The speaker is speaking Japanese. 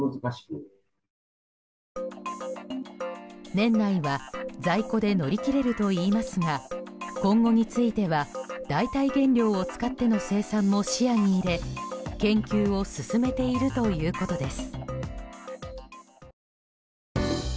年内は在庫で乗り切れるといいますが今後については代替原料を使っての生産も視野に入れ研究を進めているということです。